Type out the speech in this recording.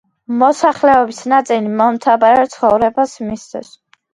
მოსახლეობის ნაწილი მომთაბარე ცხოვრებას მისდევს.